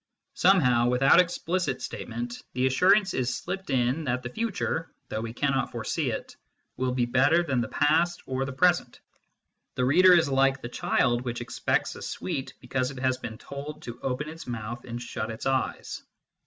Somehow, without explicit statement, the assurance is slipped in that the future, though we cannot foresee it, will be better than the past or the present : the reader is like the child which expects a sweet because it has been told to oijen its mouth and shut its eyes.